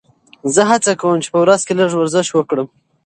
زه هڅه کوم چې په ورځ کې لږ ورزش وکړم.